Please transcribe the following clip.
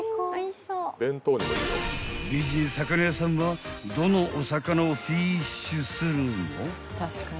［美人魚屋さんはどのお魚をフィッシュするの？］